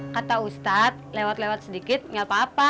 kata ustad lewat lewat sedikit gak apa apa